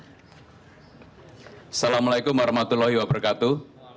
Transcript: assalamu'alaikum warahmatullahi wabarakatuh